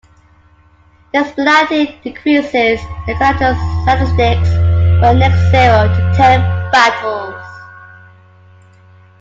This penalty decreases the character's statistics for the next zero to ten battles.